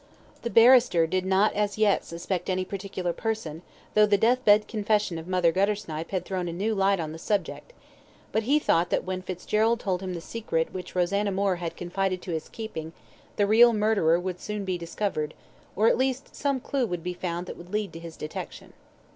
The barrister did not as yet suspect any particular person, though the death bed confession of Mother Guttersnipe had thrown a new light on the subject, but he thought that when Fitzgerald told him the secret which Rosanna Moore had confided to his keeping, the real murderer would soon be discovered, or, at least, some clue would be found that would lead to his detection.